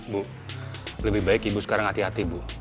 bu lebih baik ibu sekarang hati hati bu